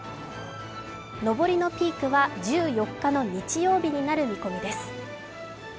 上りのピークは１４日の日曜日になる見込みです。